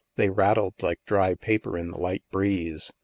They rattled like dry paper in the light breeze.